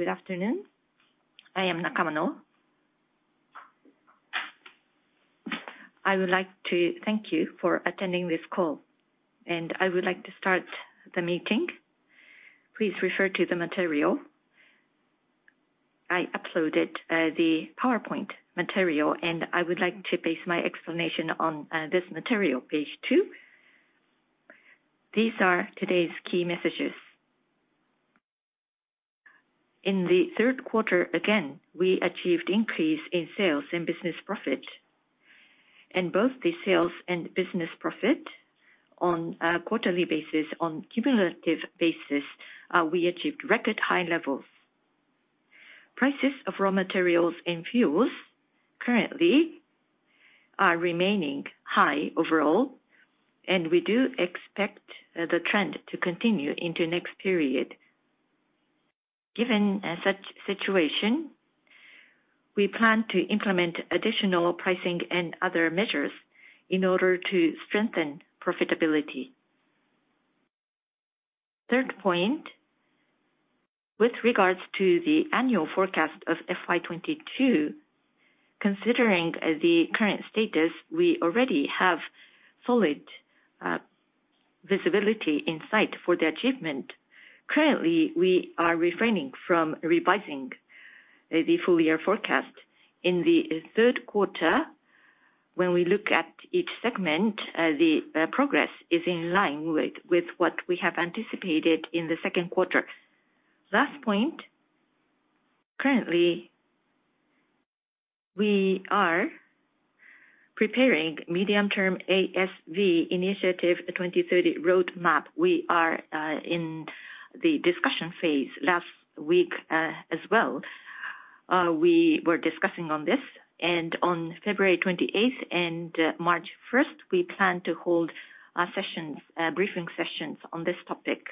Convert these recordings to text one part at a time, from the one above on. Good afternoon. I am Nakano. I would like to thank you for attending this call. I would like to start the meeting. Please refer to the material. I uploaded the PowerPoint material. I would like to base my explanation on this material, page two. These are today's key messages. In the third quarter, again, we achieved increase in sales and business profit. In both the sales and business profit on a quarterly basis, on cumulative basis, we achieved record high levels. Prices of raw materials and fuels currently are remaining high overall. We do expect the trend to continue into next period. Given such situation, we plan to implement additional pricing and other measures in order to strengthen profitability. Third point, with regards to the annual forecast of FY 2022, considering the current status, we already have solid visibility in sight for the achievement. Currently, we are refraining from revising the full year forecast. In the third quarter, when we look at each segment, the progress is in line with what we have anticipated in the second quarter. Last point, currently we are preparing medium-term ASV initiative 2030 Roadmap. We are in the discussion phase last week as well. We were discussing on this and on February 28th and March 1st, we plan to hold our sessions, briefing sessions on this topic.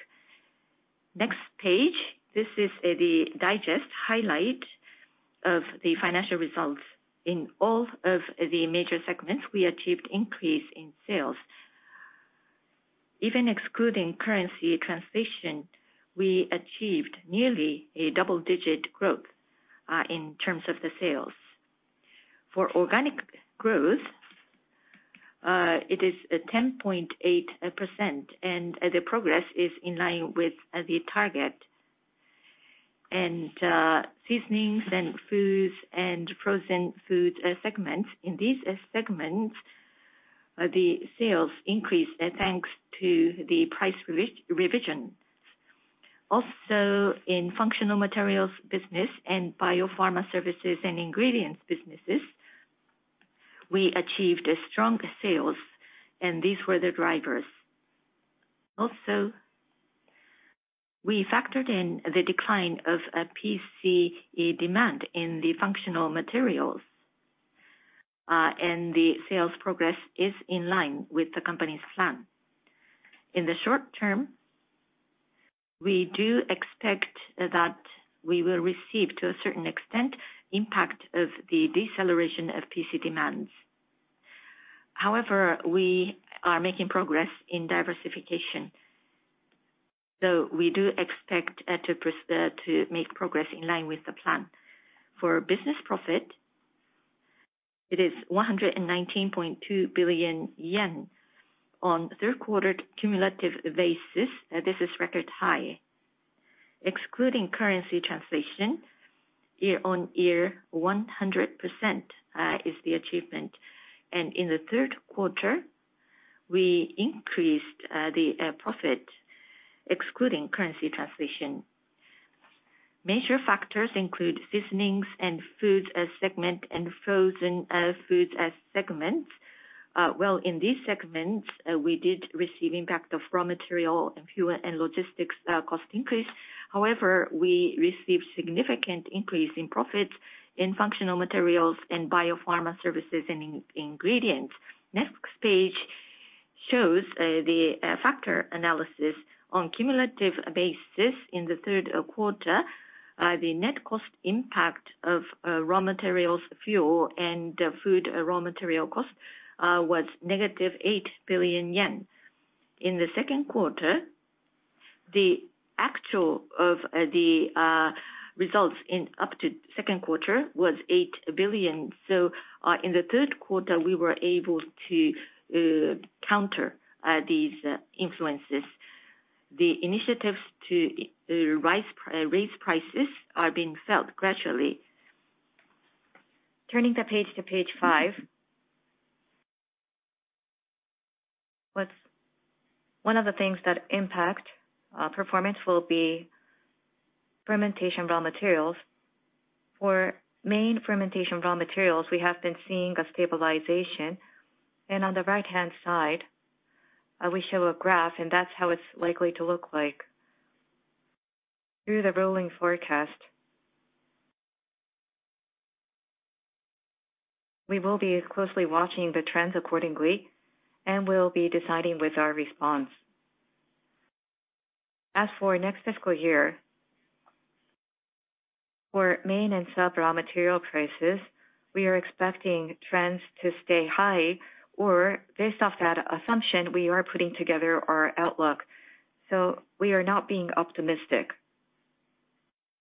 Next page, this is the digest highlight of the financial results. In all of the major segments we achieved increase in sales. Even excluding currency translation, we achieved nearly a double-digit growth in terms of the sales. For organic growth, it is 10.8%, the progress is in line with the target. Seasonings and foods and frozen food segments. In these segments, the sales increased thanks to the price revision. Also, in functional materials business and biopharma services and ingredients businesses, we achieved strong sales and these were the drivers. Also, we factored in the decline of PC demand in the functional materials, the sales progress is in line with the company's plan. In the short term, we do expect that we will receive, to a certain extent, impact of the deceleration of PC demands. However, we are making progress in diversification, we do expect to make progress in line with the plan. For business profit, it is 119.2 billion yen on third quarter cumulative basis. This is record high. Excluding currency translation, year-on-year 100% is the achievement. In the third quarter, we increased the profit excluding currency translation. Major factors include seasonings and food segment and frozen foods segment. Well, in these segments, we did receive impact of raw material and fuel and logistics cost increase. However, we received significant increase in profits in functional materials and Bio-Pharma Services and Ingredients. Next page shows the factor analysis on cumulative basis in the third quarter. The net cost impact of raw materials, fuel, and food raw material cost was negative 8 billion yen. In the second quarter, the actual of the results in up to second quarter was 8 billion. In the third quarter, we were able to counter these influences. The initiatives to raise prices are being felt gradually. Turning the page to page five. What's one of the things that impact performance will be fermentation raw materials. For main fermentation raw materials, we have been seeing a stabilization. On the right-hand side, we show a graph and that's how it's likely to look like through the rolling forecast. We will be closely watching the trends accordingly and we'll be deciding with our response. As for next fiscal year. For main and sub raw material prices, we are expecting trends to stay high or based off that assumption, we are putting together our outlook. We are not being optimistic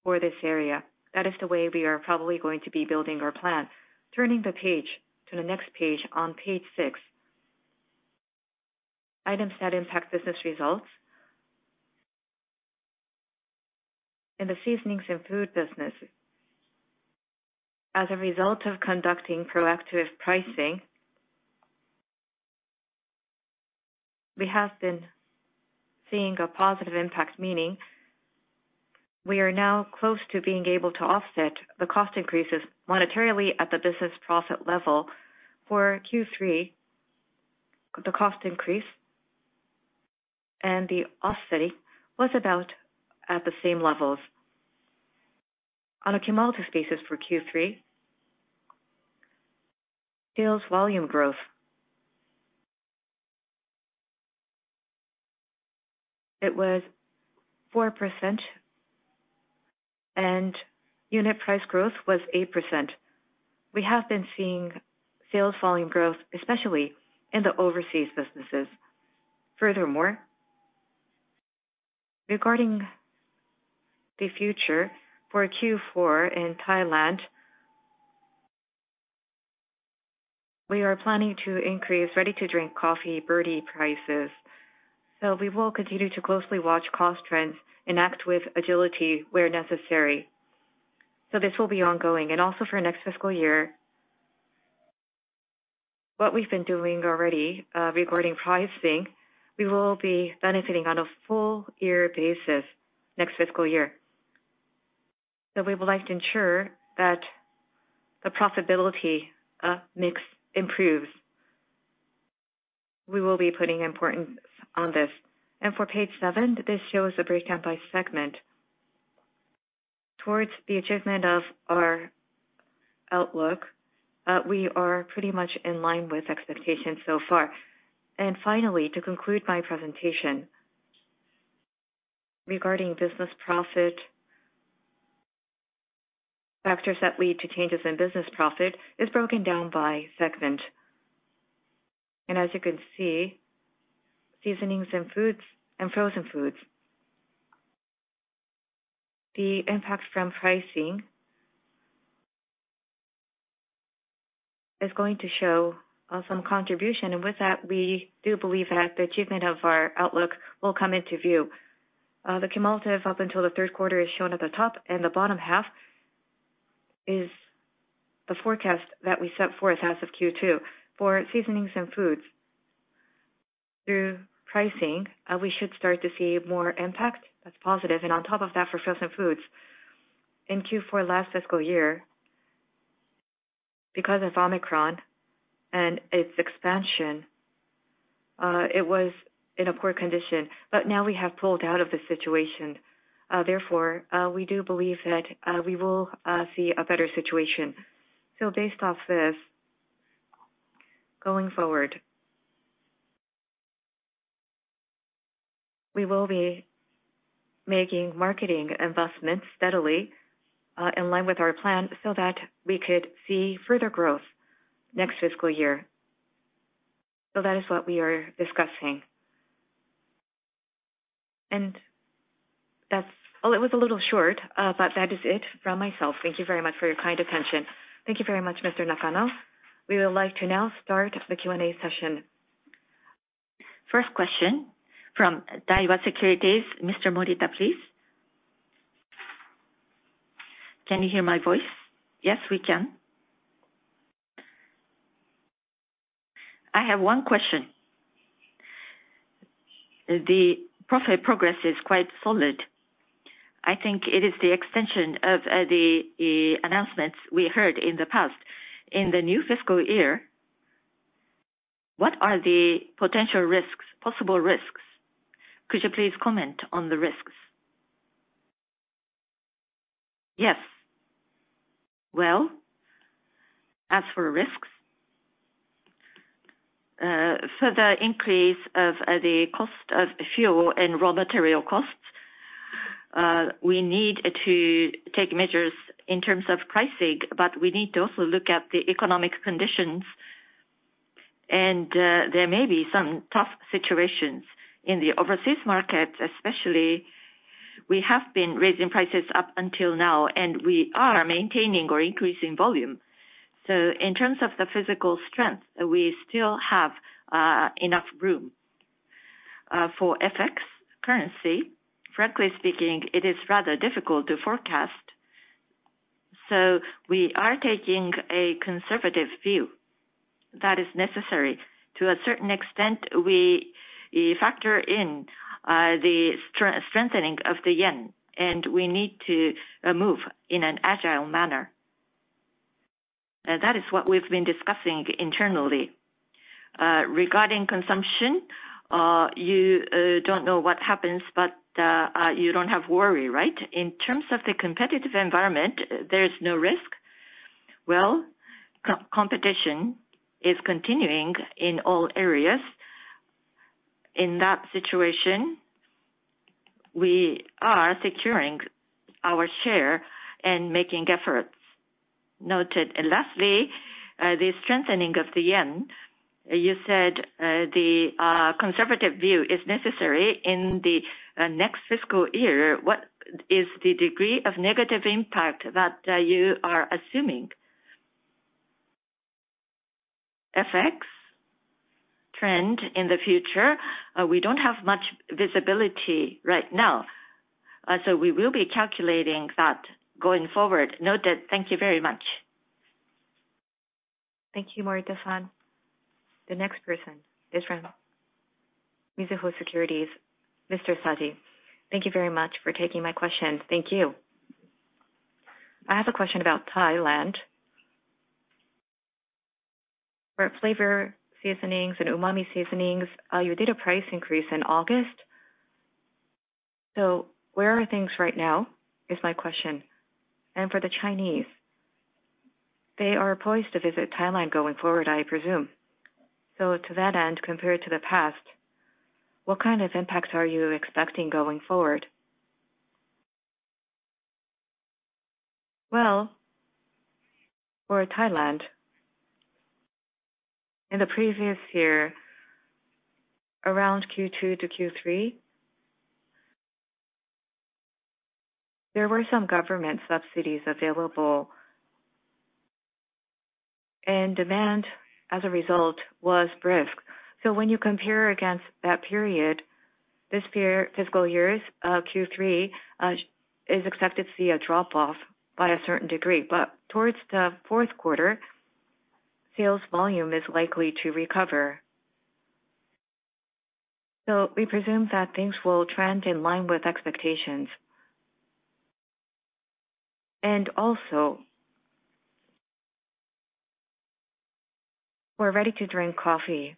for this area. That is the way we are probably going to be building our plan. Turning the page to the next page, on page six. Items that impact business results. In the seasonings and food business, as a result of conducting proactive pricing, we have been seeing a positive impact, meaning we are now close to being able to offset the cost increases monetarily at the business profit level. For Q3, the cost increase and the offsetting was about at the same levels. On a cumulative basis for Q3, sales volume growth, it was 4%, and unit price growth was 8%. We have been seeing sales volume growth, especially in the overseas businesses. Regarding the future for Q4 in Thailand, we are planning to increase ready-to-drink coffee Birdy prices. We will continue to closely watch cost trends and act with agility where necessary. This will be ongoing and also for next fiscal year. What we've been doing already, regarding pricing, we will be benefiting on a full year basis next fiscal year. We would like to ensure that the profitability mix improves. We will be putting importance on this. For page seven, this shows the breakdown by segment. Towards the achievement of our outlook, we are pretty much in line with expectations so far. Finally, to conclude my presentation regarding business profit, factors that lead to changes in business profit is broken down by segment. As you can see, seasonings and foods and frozen foods. The impact from pricing is going to show some contribution. With that, we do believe that the achievement of our outlook will come into view. The cumulative up until the third quarter is shown at the top, and the bottom half is the forecast that we set forth as of Q2. For seasonings and foods, through pricing, we should start to see more impact that's positive. On top of that, for frozen foods, in Q4 last fiscal year, because of Omicron and its expansion, it was in a poor condition, but now we have pulled out of the situation. Therefore, we do believe that we will see a better situation. Based off this, going forward, we will be making marketing investments steadily, in line with our plan so that we could see further growth next fiscal year. That is what we are discussing. That's... It was a little short, but that is it from myself. Thank you very much for your kind attention. Thank you very much, Mr. Nakano. We would like to now start the Q&A session. First question from Daiwa Securities, Mr. Morita, please. Can you hear my voice? Yes, we can. I have one question. The profit progress is quite solid. I think it is the extension of the announcements we heard in the past. In the new fiscal year, what are the potential risks, possible risks? Could you please comment on the risks? Yes. As for risks, further increase of the cost of fuel and raw material costs, we need to take measures in terms of pricing, but we need to also look at the economic conditions. There may be some tough situations in the overseas market, especially, we have been raising prices up until now, and we are maintaining or increasing volume. In terms of the physical strength, we still have enough room. For FX currency, frankly speaking, it is rather difficult to forecast. We are taking a conservative view that is necessary. To a certain extent, we factor in the strengthening of the yen, and we need to move in an agile manner. That is what we've been discussing internally. Regarding consumption, you don't know what happens, but you don't have worry, right? In terms of the competitive environment, there is no risk. Competition is continuing in all areas. In that situation, we are securing our share and making efforts. Noted. Lastly, the strengthening of the yen. You said, the conservative view is necessary in the next fiscal year. What is the degree of negative impact that you are assuming? FX trend in the future, we don't have much visibility right now. We will be calculating that going forward. Noted. Thank you very much. Thank you, Morita-san. The next person is from Mizuho Securities. Mr. Saji. Thank you very much for taking my question. Thank you. I have a question about Thailand. For flavor seasonings and umami seasonings, you did a price increase in August. Where are things right now is my question. For the Chinese, they are poised to visit Thailand going forward, I presume. To that end, compared to the past, what kind of impacts are you expecting going forward? For Thailand, in the previous year, around Q2 to Q3, there were some government subsidies available. Demand, as a result, was brisk. When you compare against that period, this year, fiscal year's Q3 is expected to see a drop off by a certain degree. Towards the 4th quarter, sales volume is likely to recover. We presume that things will trend in line with expectations. Also, for ready to drink coffee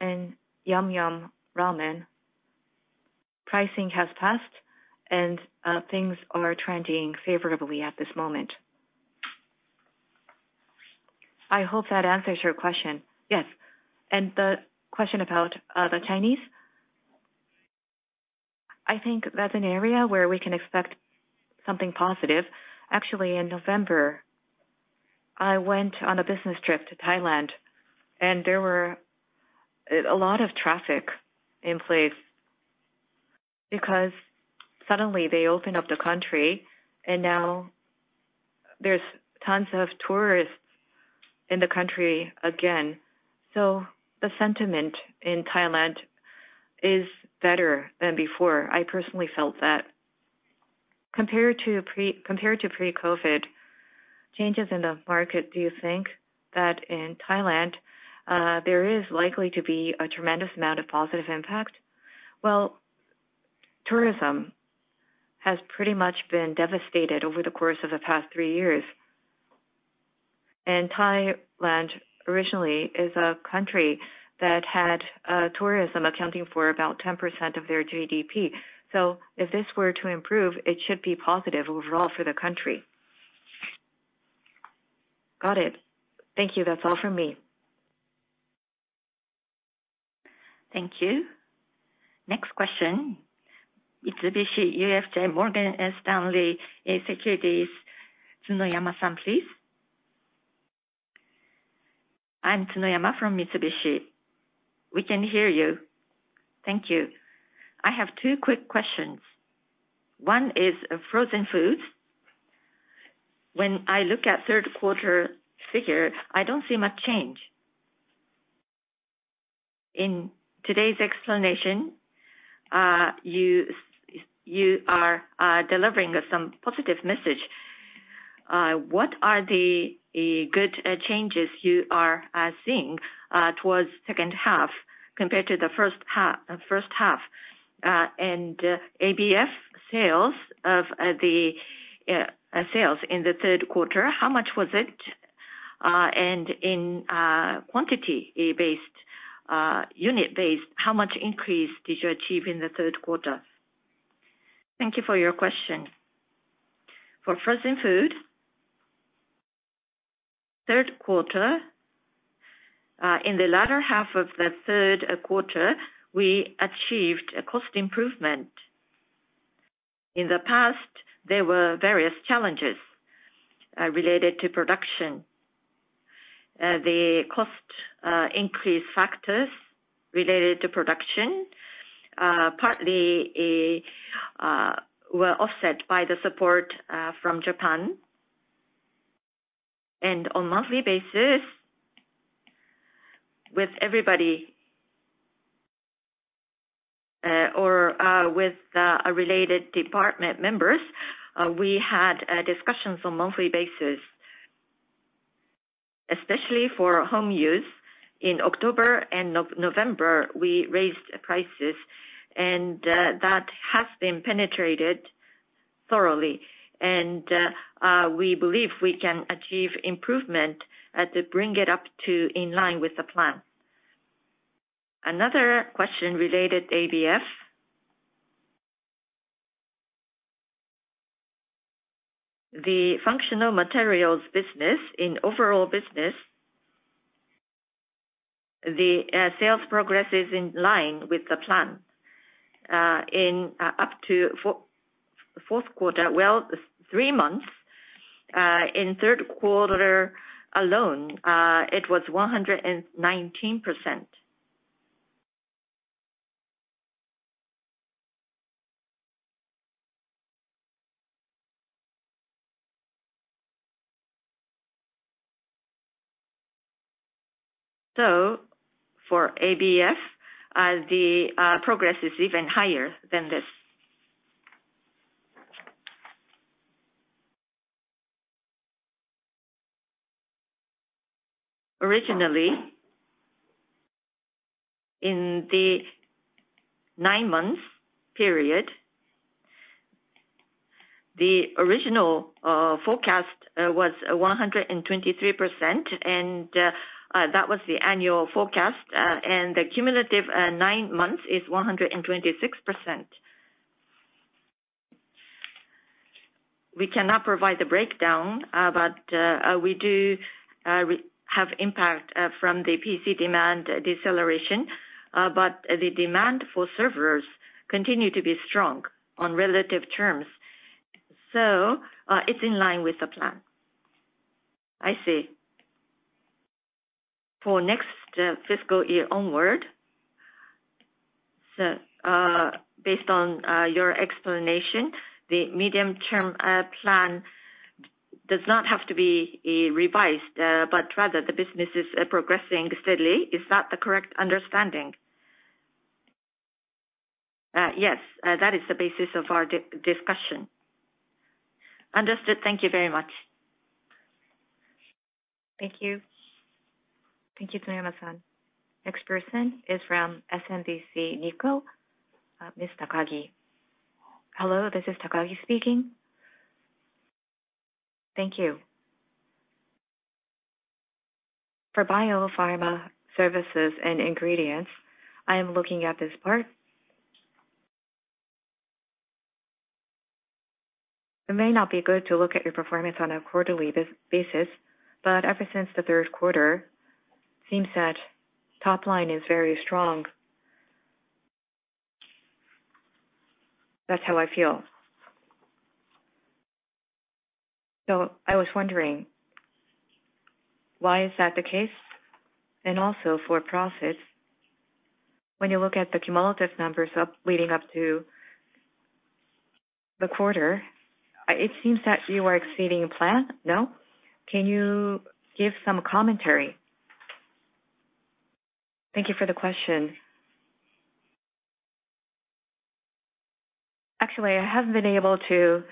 and Yum Yum Ramen, pricing has passed and things are trending favorably at this moment. I hope that answers your question. Yes. The question about, the Chinese? I think that's an area where we can expect something positive. Actually, in November, I went on a business trip to Thailand, and there were a lot of traffic in place because suddenly they opened up the country and now there's tons of tourists in the country again. The sentiment in Thailand is better than before. I personally felt that. Compared to pre-COVID changes in the market, do you think that in Thailand, there is likely to be a tremendous amount of positive impact? Well, tourism has pretty much been devastated over the course of the past three years. Thailand originally is a country that had tourism accounting for about 10% of their GDP. If this were to improve, it should be positive overall for the country. Got it. Thank you. That's all from me. Thank you. Next question, Mitsubishi UFJ Morgan Stanley Securities, Tsunoyama-san, please. I'm Tsunoyama from Mitsubishi. We can hear you. Thank you. I have two quick questions. One is, frozen foods. When I look at 3rd quarter figure, I don't see much change. In today's explanation, you are delivering some positive message. What are the good changes you are seeing towards 2nd half compared to the 1st half? ABF sales of the sales in the 3rd quarter, how much was it? In quantity based, unit based, how much increase did you achieve in the 3rd quarter? Thank you for your question. For frozen food, 3rd quarter, in the latter half of the 3rd quarter, we achieved a cost improvement. In the past, there were various challenges related to production. The cost increase factors related to production, partly, were offset by the support from Japan. On monthly basis, with everybody, or, with related department members, we had discussions on monthly basis, especially for home use. In October and November, we raised prices, and that has been penetrated thoroughly. We believe we can achieve improvement to bring it up to in line with the plan. Another question related to ABF. The functional materials business in overall business, the sales progress is in line with the plan, in up to fourth quarter. Well, three months, in third quarter alone, it was 119%. For ABF, the progress is even higher than this. Originally, in the nine-month period, the original forecast was 123%, and that was the annual forecast. And the cumulative nine months is 126%. We cannot provide the breakdown, but we do have impact from the PC demand deceleration, but the demand for servers continue to be strong on relative terms. It's in line with the plan. I see. For next fiscal year onward, based on your explanation, the medium-term plan does not have to be revised, but rather the business is progressing steadily. Is that the correct understanding? Yes, that is the basis of our discussion. Understood. Thank you very much. Thank you. Thank you, Tsunoyama-san. Next person is from SMBC Nikko, Miss Takagi. Hello, this is Takagi speaking. Thank you. For Biopharma services and ingredients, I am looking at this part. It may not be good to look at your performance on a quarterly basis, ever since the third quarter, it seems that top line is very strong. That's how I feel. I was wondering, why is that the case? Also for profits, when you look at the cumulative numbers up, leading up to the quarter, it seems that you are exceeding plan, no? Can you give some commentary? Thank you for the question. Actually, I haven't been able to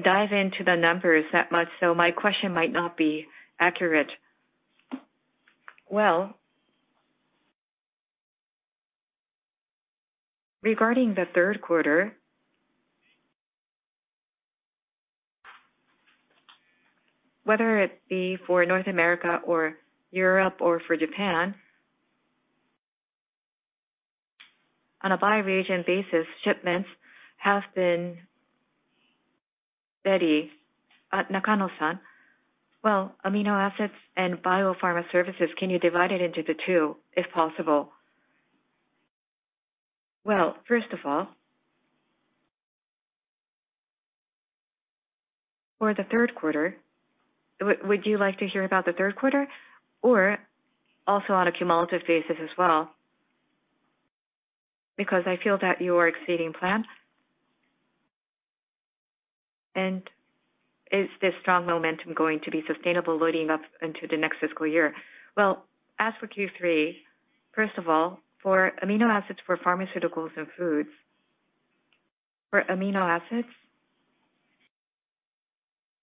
dive into the numbers that much. My question might not be accurate. Well, regarding the third quarter, whether it be for North America or Europe or for Japan, on a by region basis, shipments have been steady. Nakano San. Well, amino acids and biopharma services, can you divide it into the two if possible? Well, first of all, for the third quarter, would you like to hear about the third quarter or also on a cumulative basis as well? I feel that you are exceeding plan. Is this strong momentum going to be sustainable leading up into the next fiscal year? As for Q3, first of all, for amino acids, for pharmaceuticals and foods, for amino acids,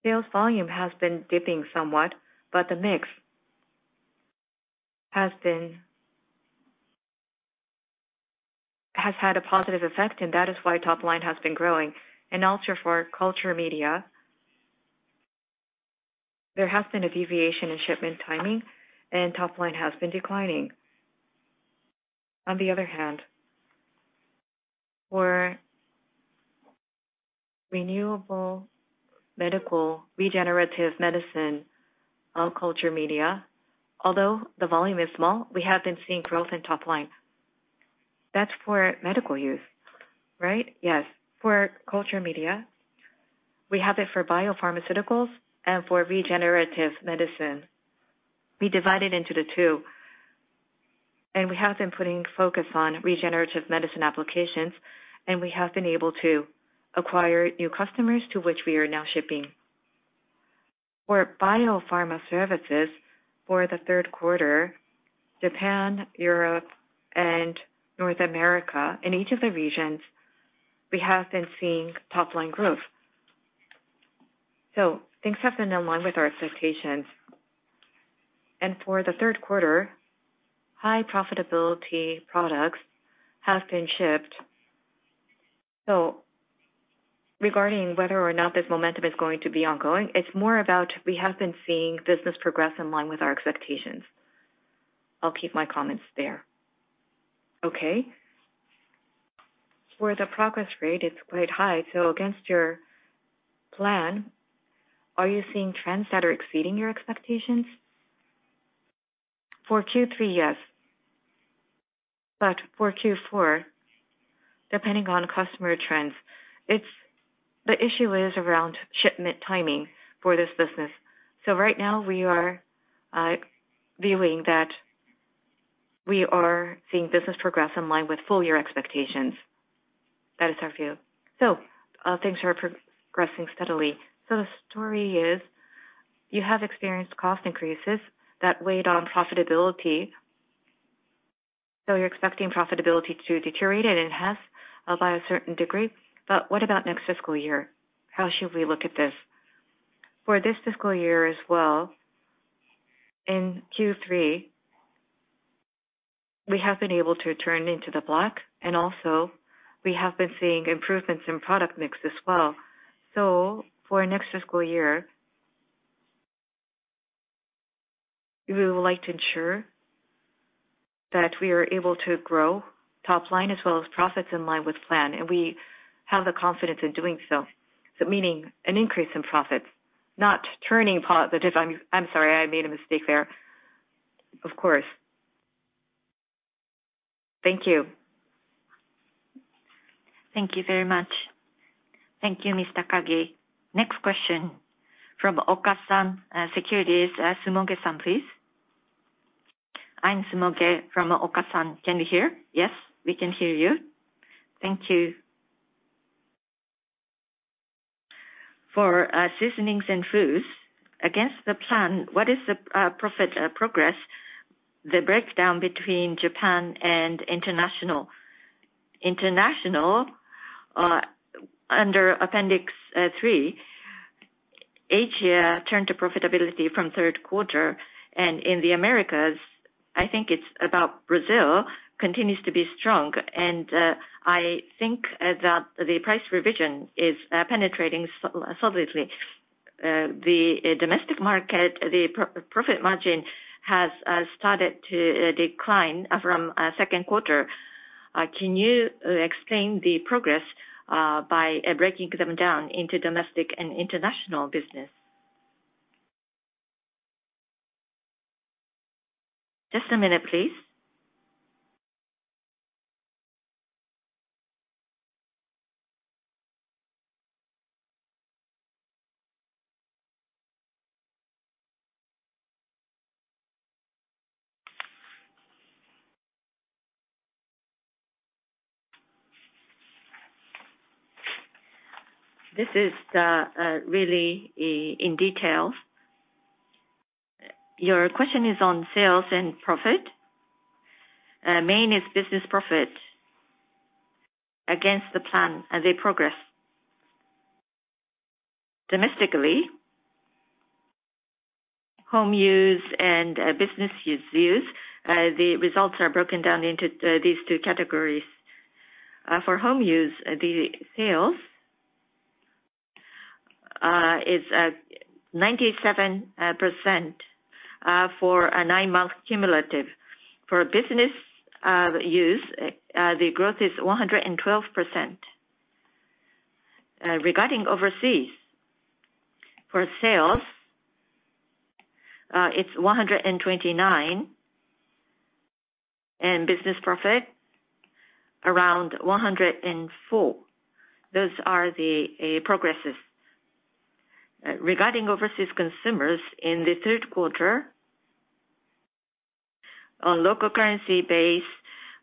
sales volume has been dipping somewhat, but the mix has had a positive effect and that is why top line has been growing. For culture media, there has been a deviation in shipment timing and top line has been declining. For regenerative medicine, our culture media, although the volume is small, we have been seeing growth in top line. That's for medical use, right? Yes. For culture media, we have it for biopharmaceuticals and for regenerative medicine. We divide it into the two, and we have been putting focus on regenerative medicine applications, and we have been able to acquire new customers to which we are now shipping. For biopharma services for the third quarter, Japan, Europe and North America, in each of the regions, we have been seeing top line growth. Things have been in line with our expectations. For the third quarter, high profitability products have been shipped. Regarding whether or not this momentum is going to be ongoing, it's more about we have been seeing business progress in line with our expectations. I'll keep my comments there. Okay. Where the progress rate is quite high, so against your plan, are you seeing trends that are exceeding your expectations? For Q3, yes. For Q4, depending on customer trends, the issue is around shipment timing for this business. Right now, we are viewing that we are seeing business progress in line with full year expectations. That is our view. Things are progressing steadily. The story is you have experienced cost increases that weighed on profitability, so you're expecting profitability to deteriorate, it has by a certain degree, but what about next fiscal year? How should we look at this? For this fiscal year as well, in Q3, we have been able to turn into the black, and also we have been seeing improvements in product mix as well. For next fiscal year, we would like to ensure that we are able to grow top line as well as profits in line with plan, and we have the confidence in doing so. Meaning an increase in profits, not turning positive. I'm sorry, I made a mistake there. Of course. Thank you. Thank you very much. Thank you, Miss Takagi. Next question from Okasan Securities, Sumoge-san, please. I'm Sumoge from Okasan. Can you hear? Yes, we can hear you. Thank you. For seasonings and foods, against the plan, what is the profit progress, the breakdown between Japan and international? International, under appendix three, Asia turned to profitability from 3rd quarter, and in the Americas, I think it is about Brazil continues to be strong. I think that the price revision is penetrating so-solidly. The domestic market, the profit margin has started to decline from 2nd quarter. Can you explain the progress by breaking them down into domestic and international business? Just a minute, please. This is really in detail. Your question is on sales and profit. Main is business profit against the plan and the progress. Domestically, home use and business use, the results are broken down into these two categories. For home use, the sales is at 97% for a nine-month cumulative. For business use, the growth is 112%. Regarding overseas, for sales, it's 129%, and business profit around 104%. Those are the progresses. Regarding overseas consumers, in the 3rd quarter, on local currency base,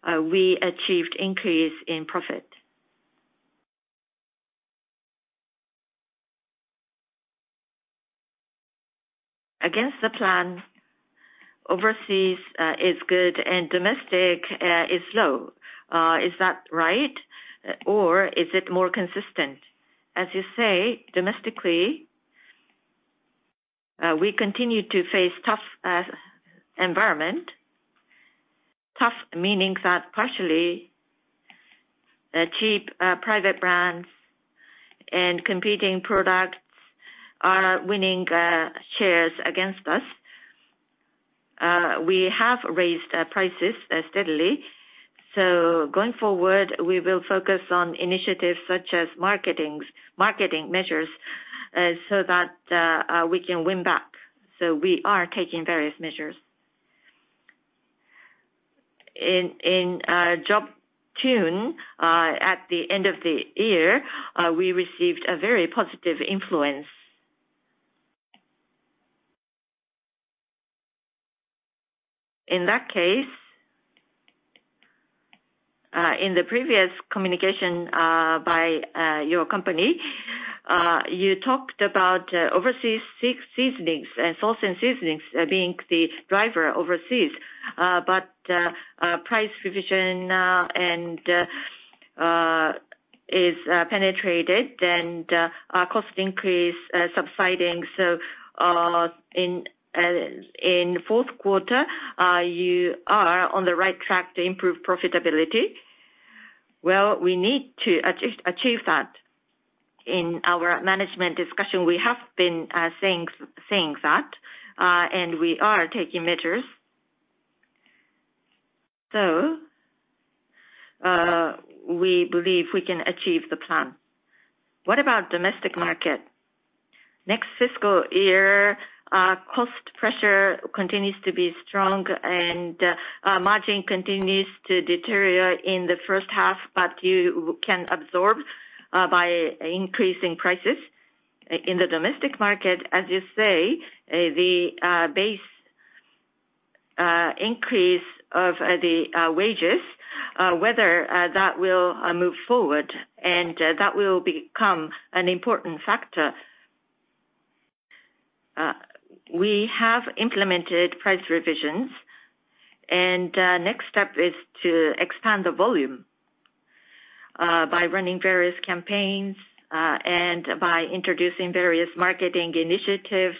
we achieved increase in profit. Against the plan, overseas is good and domestic is low. Is that right? Or is it more consistent? As you say, domestically, we continue to face tough environment. Tough meaning that partially, cheap, private brands and competing products are winning shares against us. We have raised prices steadily. Going forward, we will focus on initiatives such as marketing measures so that we can win back. We are taking various measures. In June, at the end of the year, we received a very positive influence. In that case, in the previous communication, by your company, you talked about overseas seasonings, salts and seasonings being the driver overseas. Price revision and is penetrated and cost increase subsiding. In fourth quarter, you are on the right track to improve profitability. We need to achieve that. In our management discussion, we have been saying that, and we are taking measures. We believe we can achieve the plan. What about domestic market? Next fiscal year, cost pressure continues to be strong and margin continues to deteriorate in the first half, but you can absorb by increasing prices. In the domestic market, as you say, the base increase of the wages, whether that will move forward and that will become an important factor. We have implemented price revisions, and next step is to expand the volume by running various campaigns and by introducing various marketing initiatives.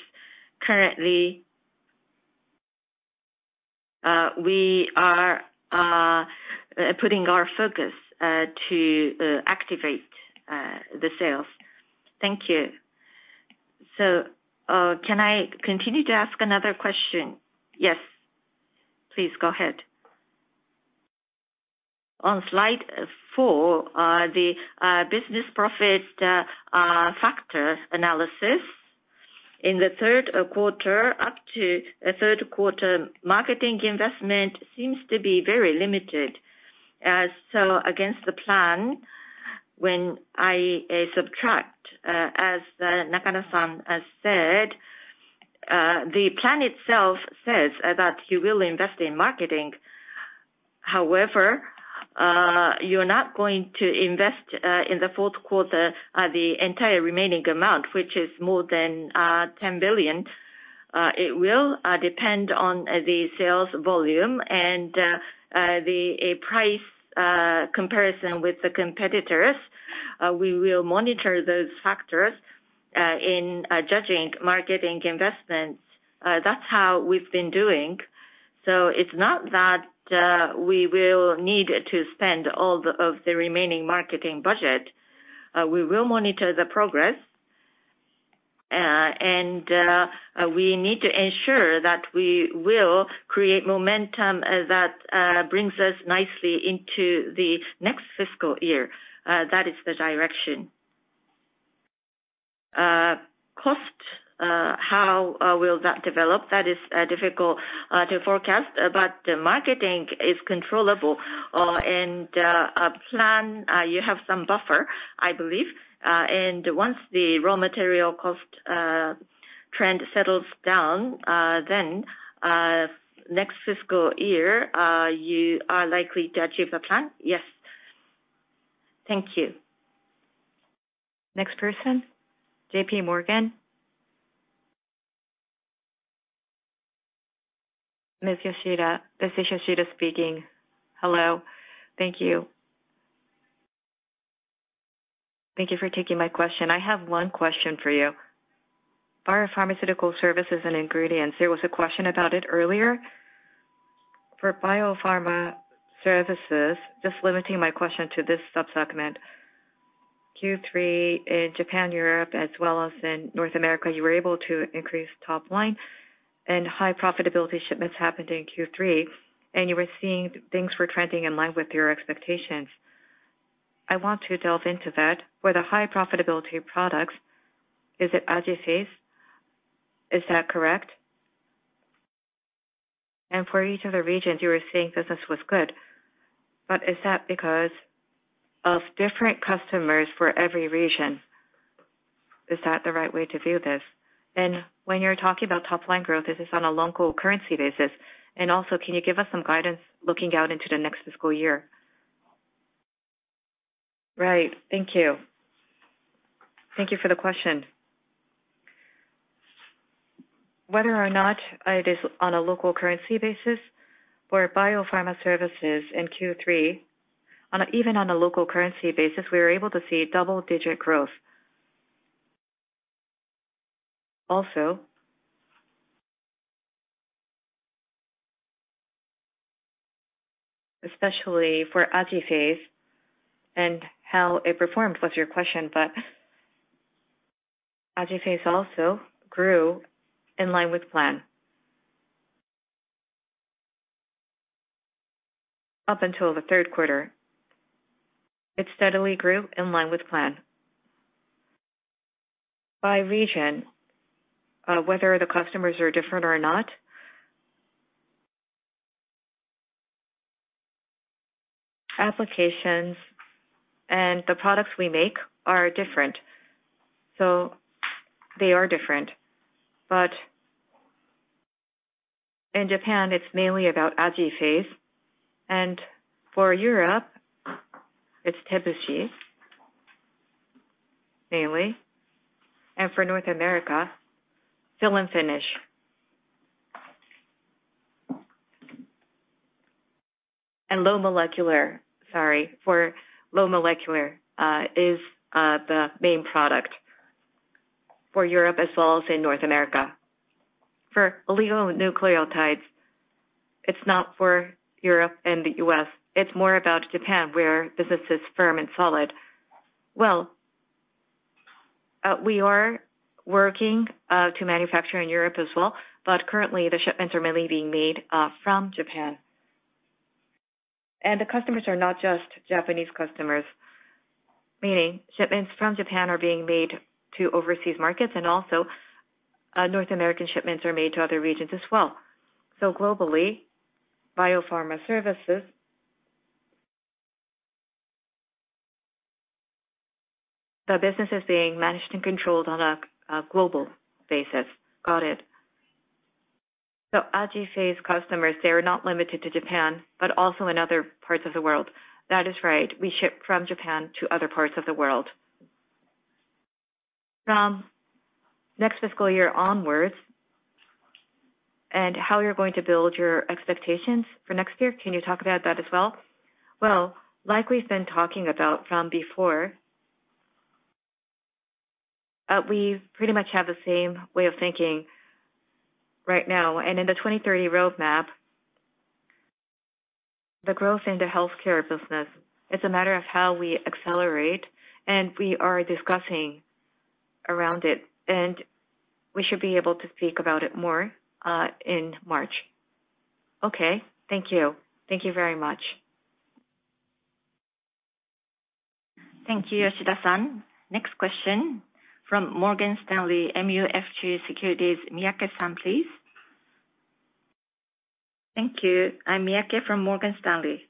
Currently, we are putting our focus to activate the sales. Thank you. Can I continue to ask another question? Yes. Please go ahead. On Slide four, the business profit factor analysis. In the third quarter up to the third quarter, marketing investment seems to be very limited, so against the plan when I subtract, as Nakano San has said, the plan itself says that you will invest in marketing. However, you're not going to invest in the fourth quarter, the entire remaining amount, which is more than 10 billion. It will depend on the sales volume and the price comparison with the competitors. We will monitor those factors in judging marketing investments. That's how we've been doing. It's not that we will need to spend all the, of the remaining marketing budget. We will monitor the progress, and we need to ensure that we will create momentum that brings us nicely into the next fiscal year. That is the direction. Cost, how will that develop? That is difficult to forecast, but the marketing is controllable, and plan, you have some buffer, I believe. Once the raw material cost trend settles down, then next fiscal year, you are likely to achieve the plan? Yes. Thank you. Next person, J.P. Morgan. Ms. Yoshida. This is Yoshida speaking. Hello. Thank you. Thank you for taking my question. I have one question for you. Biopharmaceutical services and ingredients, there was a question about it earlier. For biopharma services, just limiting my question to this subsegment, Q3 in Japan, Europe, as well as in North America, you were able to increase top line and high profitability shipments happened in Q3, and you were seeing things were trending in line with your expectations. I want to delve into that. For the high profitability products, is it? Is that correct? For each of the regions, you were seeing business was good, but is that because of different customers for every region? Is that the right way to view this? When you're talking about top line growth, is this on a local currency basis? Also, can you give us some guidance looking out into the next fiscal year? Right. Thank you. Thank you for the question. Whether or not it is on a local currency basis for biopharma services in Q3 even on a local currency basis, we were able to see double-digit growth. Especially for and how it performed was your question. also grew in line with plan. Up until the third quarter, it steadily grew in line with plan. By region, whether the customers are different or not, applications and the products we make are different. They are different. In Japan it's mainly about. For Europe, it's mainly. For North America, fill and finish. Low molecular. Sorry, for low molecular is the main product for Europe as well as in North America. For Nucleotides, it's not for Europe and the U.S., it's more about Japan, where business is firm and solid. Well, we are working to manufacture in Europe as well, but currently the shipments are mainly being made from Japan. The customers are not just Japanese customers, meaning shipments from Japan are being made to overseas markets and also North American shipments are made to other regions as well. Globally, biopharma services, the business is being managed and controlled on a global basis. Got it. AJI's customers, they are not limited to Japan, but also in other parts of the world. That is right. We ship from Japan to other parts of the world. From next fiscal year onwards, and how you're going to build your expectations for next year, can you talk about that as well? Well, like we've been talking about from before, we pretty much have the same way of thinking right now. In the 2030 Roadmap, the growth in the healthcare business, it's a matter of how we accelerate and we are discussing around it, and we should be able to speak about it more in March. Okay. Thank you. Thank you very much. Thank you, Yoshida-san. Next question from Morgan Stanley MUFG Securities, Miyake-san, please. Thank you. I'm Miyake from Morgan Stanley.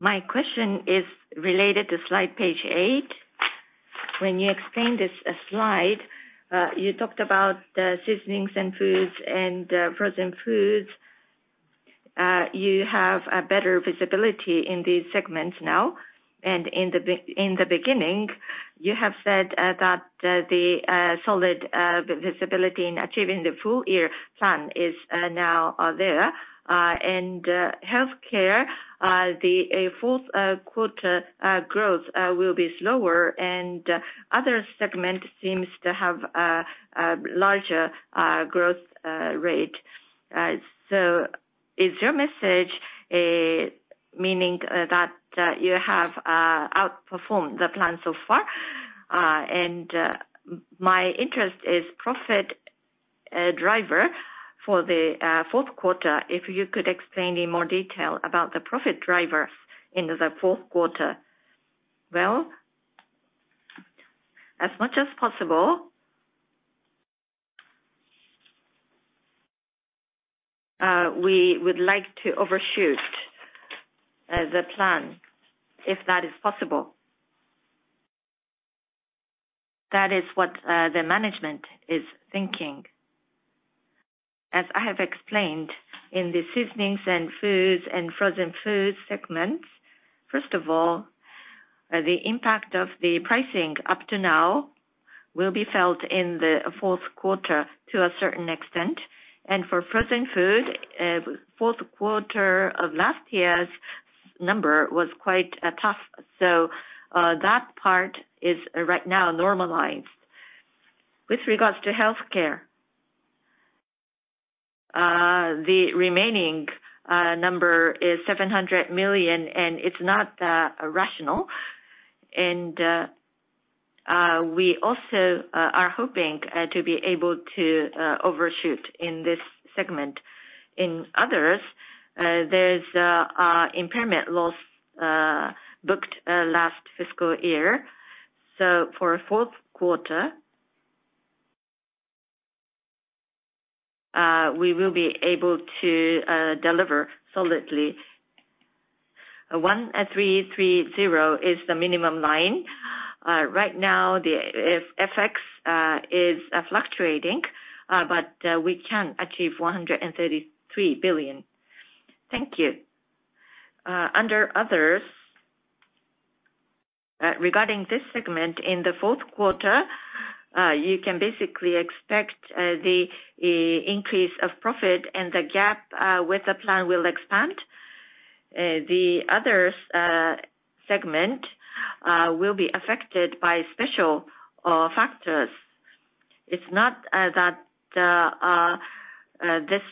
My question is related to slide page eight. When you explained this slide, you talked about the seasonings and foods and frozen foods. You have a better visibility in these segments now. In the beginning, you have said that the solid visibility in achieving the full year plan is now there. Healthcare, the fourth quarter growth will be slower and other segment seems to have a larger growth rate. Is your message meaning that you have outperformed the plan so far? My interest is profit driver for the fourth quarter. If you could explain in more detail about the profit driver into the fourth quarter. Well, as much as possible, we would like to overshoot the plan if that is possible. That is what the management is thinking. As I have explained in the seasonings and foods and frozen foods segments, first of all, the impact of the pricing up to now will be felt in the fourth quarter to a certain extent. For frozen food, fourth quarter of last year's number was quite tough. That part is right now normalized. With regards to healthcare, the remaining number is 700 million, and it's not irrational. We also are hoping to be able to overshoot in this segment. In others, there's impairment loss booked last fiscal year. For fourth quarter, we will be able to deliver solidly. 1,330 is the minimum line. Right now, the FX is fluctuating, we can achieve 133 billion. Thank you. Under others, regarding this segment in the fourth quarter, you can basically expect the increase of profit and the gap with the plan will expand. The others segment will be affected by special factors. It's not that this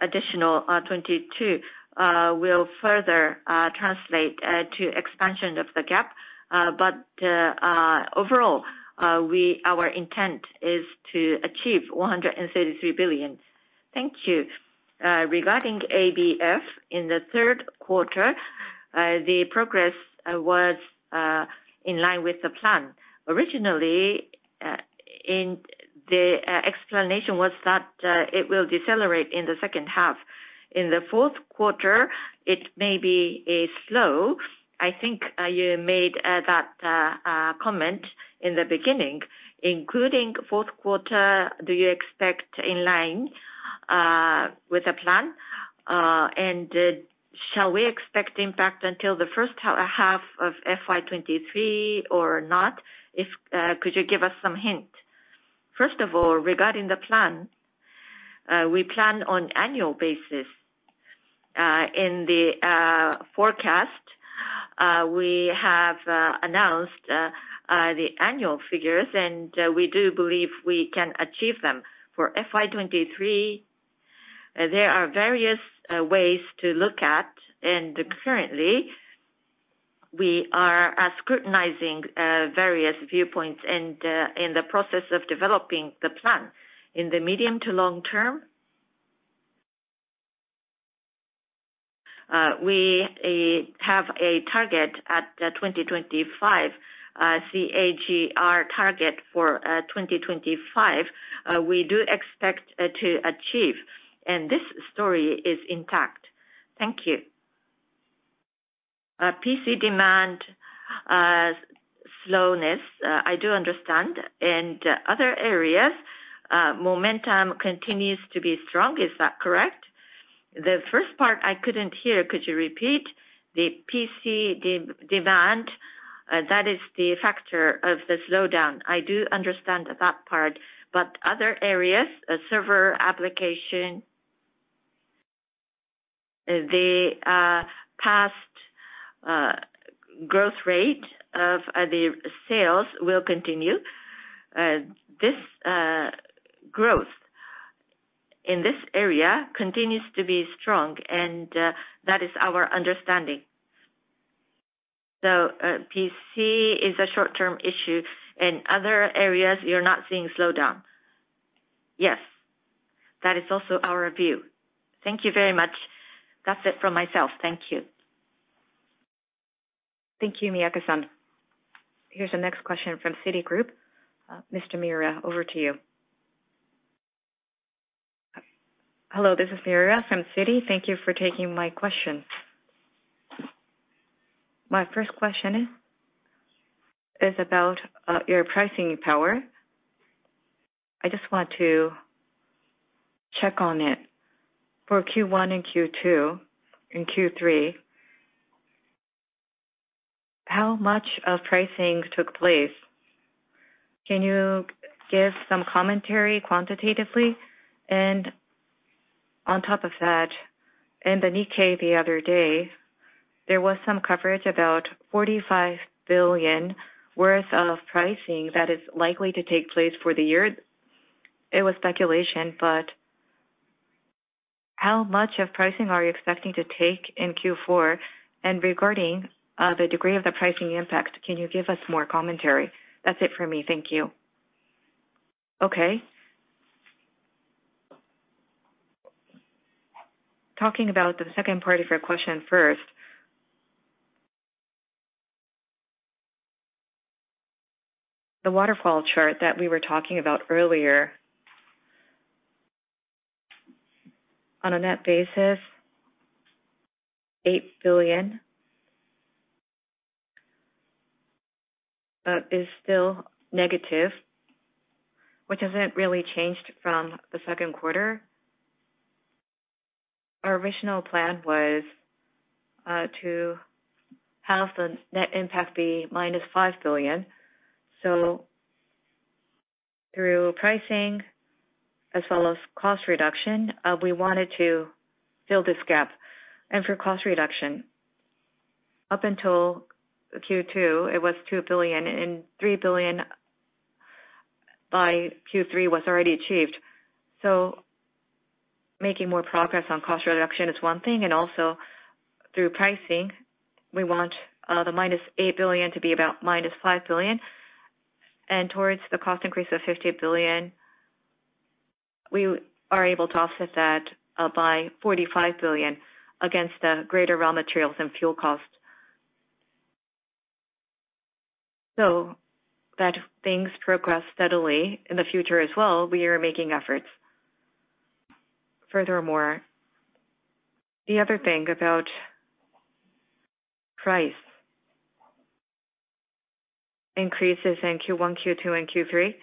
additional 22 will further translate to expansion of the gap. Overall, our intent is to achieve 133 billion. Thank you. Regarding ABF in the third quarter, the progress was in line with the plan. Originally, in the explanation was that it will decelerate in the second half. In the fourth quarter, it may be slow. I think you made that comment in the beginning. Including fourth quarter, do you expect in line with the plan? Shall we expect impact until the first half of FY 2023 or not? Could you give us some hint? First of all, regarding the plan, we plan on annual basis. In the forecast, we have announced the annual figures, and we do believe we can achieve them. For FY 2023, there are various ways to look at. Currently, we are scrutinizing various viewpoints and in the process of developing the plan. In the medium to long term, we have a target at 2025. CAGR target for 2025, we do expect to achieve. This story is intact. Thank you. PC demand slowness, I do understand. Other areas, momentum continues to be strong. Is that correct? The first part I couldn't hear. Could you repeat? The PC demand, that is the factor of the slowdown. I do understand that part, other areas, server application, the past growth rate of the sales will continue. This growth in this area continues to be strong, that is our understanding. PC is a short-term issue. In other areas, you're not seeing slowdown. Yes. That is also our view. Thank you very much. That's it from myself. Thank you. Thank you, Miyake-san. Here's the next question from Citigroup. Mr. Miura, over to you. Hello, this is Miura from Citigroup. Thank you for taking my question. My first question is about your pricing power. I just want to check on it. For Q1 and Q2 and Q3, how much of pricing took place? Can you give some commentary quantitatively? On top of that, in the Nikkei the other day, there was some coverage about 45 billion worth of pricing that is likely to take place for the year. It was speculation, how much of pricing are you expecting to take in Q4? Regarding the degree of the pricing impact, can you give us more commentary? That's it for me. Thank you. Talking about the second part of your question first. The waterfall chart that we were talking about earlier. On a net basis, JPY 8 billion is still negative, which hasn't really changed from the second quarter. Our original plan was to have the net impact be minus 5 billion. Through pricing as well as cost reduction, we wanted to fill this gap. For cost reduction, up until Q2, it was 2 billion, and 3 billion by Q3 was already achieved. Making more progress on cost reduction is one thing, and also through pricing, we want the minus 8 billion to be about minus 5 billion. Towards the cost increase of 50 billion, we are able to offset that by 45 billion against the greater raw materials and fuel costs. That things progress steadily in the future as well, we are making efforts. The other thing about price increases in Q1, Q2, and Q3.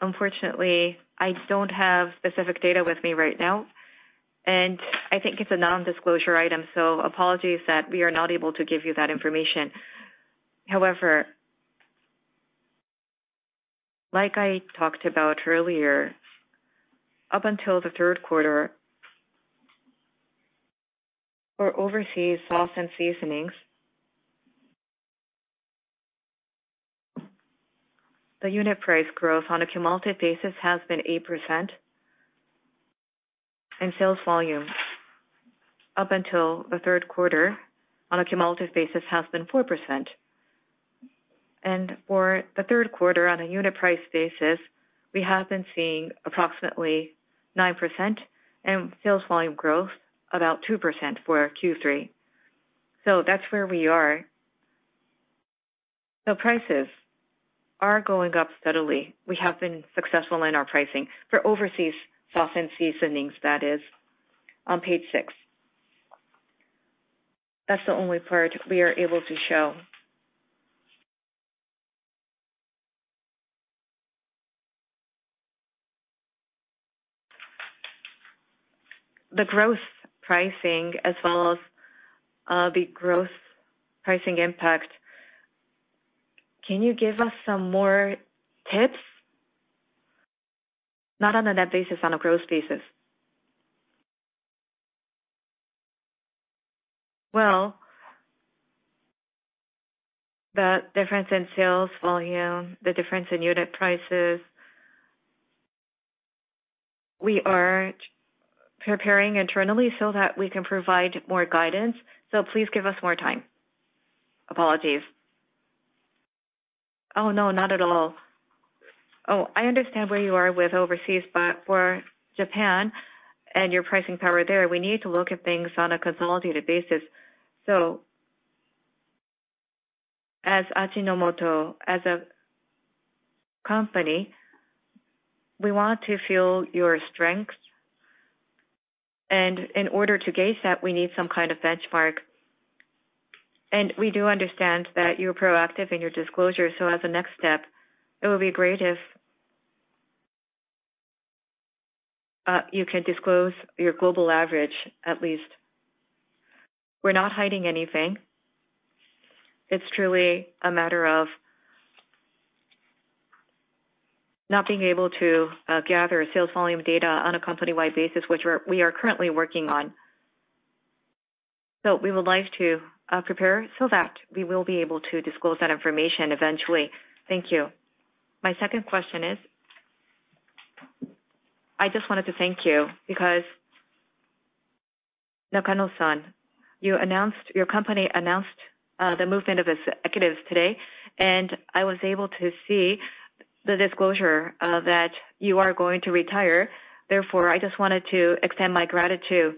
Unfortunately, I don't have specific data with me right now, and I think it's a non-disclosure item, so apologies that we are not able to give you that information. However, like I talked about earlier, up until the third quarter, for overseas sauce and seasonings, the unit price growth on a cumulative basis has been 8%. Sales volume up until the third quarter on a cumulative basis has been 4%. For the third quarter, on a unit price basis, we have been seeing approximately 9% and sales volume growth about 2% for Q3. That's where we are. The prices are going up steadily. We have been successful in our pricing for overseas sauce and seasonings, that is on page six. That's the only part we are able to show. The growth pricing as well as, the growth pricing impact Can you give us some more tips? Not on a net basis, on a growth basis. The difference in sales volume, the difference in unit prices. We are preparing internally so that we can provide more guidance, so please give us more time. Apologies. No, not at all. I understand where you are with overseas, but for Japan and your pricing power there, we need to look at things on a consolidated basis. As Ajinomoto, as a company, we want to feel your strengths. In order to gauge that, we need some kind of benchmark. We do understand that you're proactive in your disclosure, so as a next step, it would be great if you can disclose your global average, at least. We're not hiding anything. It's truly a matter of not being able to gather sales volume data on a company-wide basis, which we are currently working on. We would like to prepare so that we will be able to disclose that information eventually. Thank you. My second question is. I just wanted to thank you because, Nakano-san, you announced, your company announced, the movement of executives today, and I was able to see the disclosure that you are going to retire. Therefore, I just wanted to extend my gratitude.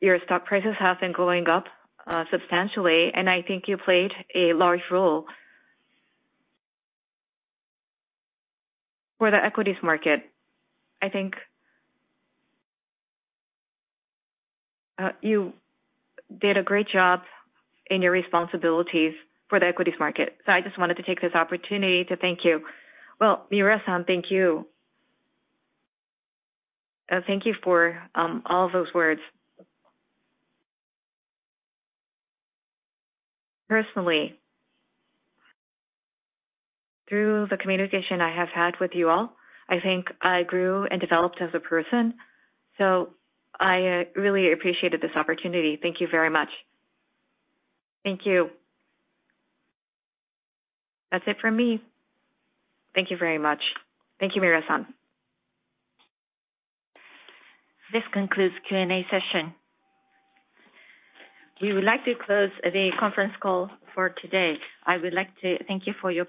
Your stock prices have been going up substantially, and I think you played a large role. For the equities market, I think, you did a great job in your responsibilities for the equities market. I just wanted to take this opportunity to thank you. Well, Miura-san, thank you. Thank you for all those words. Personally, through the communication I have had with you all, I think I grew and developed as a person, so I really appreciated this opportunity. Thank you very much. Thank you. That's it from me. Thank you very much. Thank you, Miura-san. This concludes Q&A session. We would like to close the conference call for today. I would like to thank you for your-